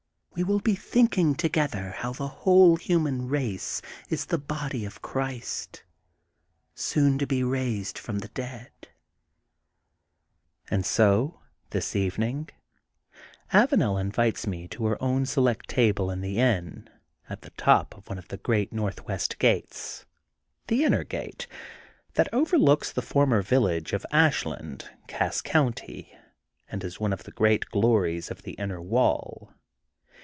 We will be think ing together how the whole human race is the body of Christ, soon to be raised from the dead/^ And so this evening Avanel invites me to her own select table in the inn at the top of one of the great northwest gates, the inner gate, that overlooks the former village of Ashland, Cass County, and is one of the chief glories of the Inner Wall.